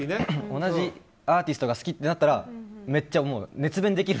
同じアーティストが好きってなったら、めっちゃ誰？